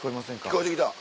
聞こえてきた。